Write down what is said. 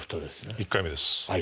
はい１回目です。